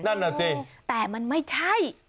นั่นเหรอจริงแต่มันไม่ใช่